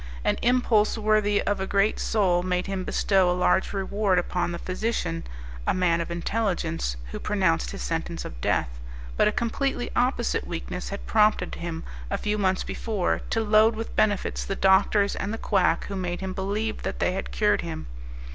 An impulse worthy of a great soul made him bestow a large reward upon the physician, a man of intelligence, who pronounced his sentence of death, but a completely opposite weakness had prompted him, a few months before, to load with benefits the doctors and the quack who made him believe that they had cured him.